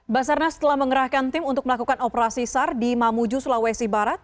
basarnas telah mengerahkan tim untuk melakukan operasi sar di mamuju sulawesi barat